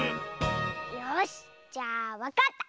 よしじゃあわかった！